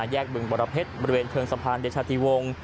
แยกบึงประเภทบริเวณเทิงสะพานเดชาติวง